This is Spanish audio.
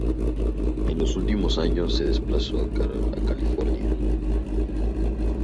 En los últimos años se desplazó a California.